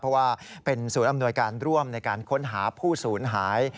เพราะว่าเป็นศูนย์อำนวยการร่วมในการค้นหาผู้สูญหาย